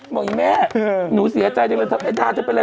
บอกไอ้แม่หนูเสียใจจังเลยทำไมด้าจะเป็นไร